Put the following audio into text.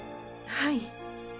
はい。